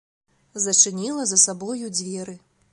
Зачыніла за сабою дзверы.